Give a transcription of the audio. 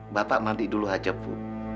bapak mandi dulu aja bu